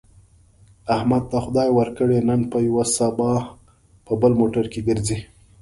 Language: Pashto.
احمد ته خدای ورکړې، نن په یوه سبا په بل موټر کې ګرځي.